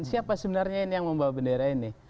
siapa sebenarnya yang membawa bendera ini